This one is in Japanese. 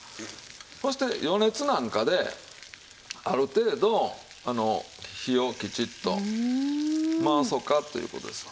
そして余熱なんかである程度火をきちっと回そうかという事ですわ。